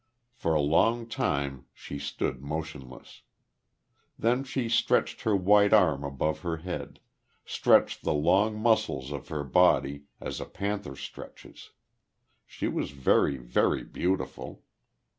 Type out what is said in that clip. For a long time she stood motionless. Then she stretched her white arms above her head, stretched the long muscles of her body, as a panther stretches. She was very, very beautiful....